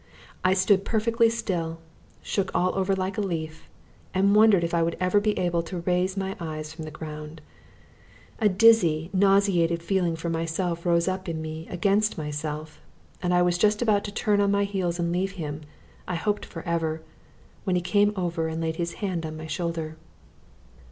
I stood perfectly still, shook all over like a leaf, and wondered if I would ever be able to raise my eyes from the ground. A dizzy nauseated feeling for myself rose up in me against myself, and I was just about to turn on my heels and leave him, I hoped for ever, when he came over and laid his hand on my shoulder.